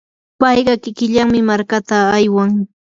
payqa kikillanmi markata aywan.